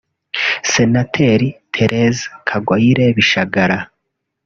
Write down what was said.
Senateri Thérèse Kagoyire Bishagara